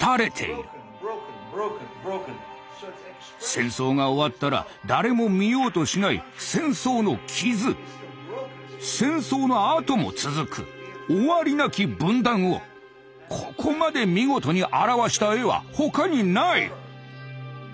戦争が終わったら誰も見ようとしない戦争の「傷」戦争のあとも続く「終わりなき分断」をここまで見事に表した絵は他にない。